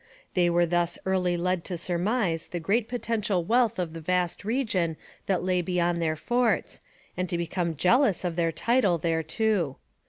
They were thus early led to surmise the great potential wealth of the vast region that lay beyond their forts, and to become jealous of their title thereto.